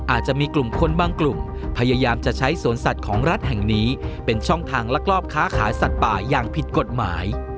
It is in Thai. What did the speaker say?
อาจจะมีกลุ่มคนบางกลุ่มพยายามจะใช้สวนสัตว์ของรัฐแห่งนี้เป็นช่องทางลักลอบค้าขายสัตว์ป่าอย่างผิดกฎหมาย